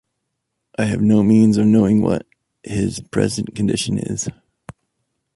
I have no means of knowing what his present condition is.